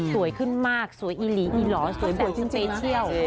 สวยขึ้นมากสวยอีหรอสวยแบบสเฟชเชียล